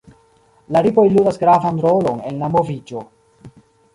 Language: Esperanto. La ripoj ludas gravan rolon en la moviĝo.